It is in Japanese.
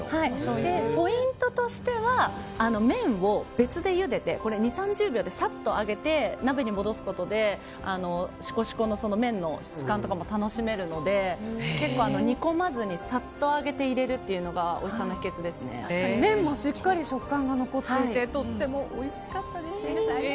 ポイントとしては麺を別でゆでて２０３０秒でサッと上げて鍋に戻すことでしこしこの麺の質感とかも楽しめるので、結構煮込まずにさっと上げて入れるのが麺もしっかり食感が残っていてとてもおいしかったです。